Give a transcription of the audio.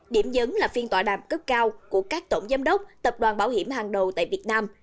điểm nhấn là phiên tòa đàm cấp cao của các tổng giám đốc tập đoàn bảo hiểm hàng đầu tại việt nam